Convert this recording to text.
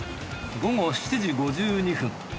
午後７時５２分